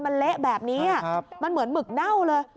มันเละแบบนี้มันเหมือนหมึกเน่าเลย